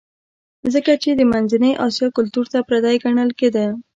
ځکه چې د منځنۍ اسیا کلتور ته پردی ګڼل کېده